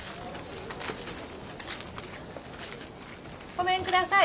ごめんください。